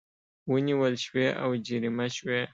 ونیول شوې او جریمه شوې